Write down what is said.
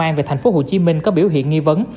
công an về thành phố hồ chí minh có biểu hiện nghi vấn